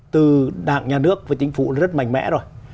từ đảng nhà nước với chính phủ rất mạnh mẽ rồi